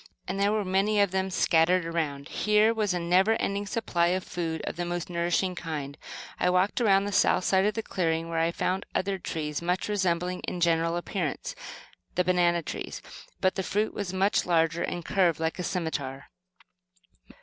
And there were many of them scattered around. Here was a never ending supply of food, of the most nourishing kind. I walked around to the south side of the clearing, where I found other trees, much resembling, in general appearance, the banana trees; but the fruit was much larger, and curved like a scimitar.